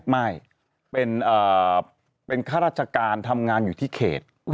ไม่เป็นข้าราชการทำงานอยู่ที่เขต